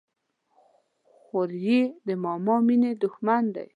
خوريي د ماما د ميني د ښمن دى.